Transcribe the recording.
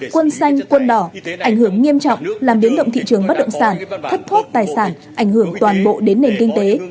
quân xanh quân đỏ ảnh hưởng nghiêm trọng làm biến động thị trường bất động sản thất thoát tài sản ảnh hưởng toàn bộ đến nền kinh tế